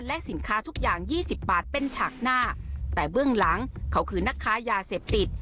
และสินค้าทุกอย่างยี่สิบบาทเป็นฉากหน้าแต่เบื้องหลังเขาคือนักค้ายาเสพติด